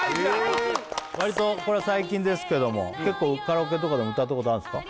わりとこれは最近ですけども結構カラオケとかでも歌ったことあんですか？